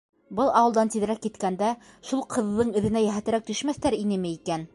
Был ауылдан тиҙерәк киткәндә, шул ҡыҙҙың эҙенә йәһәтерәк төшмәҫтәр инеме икән?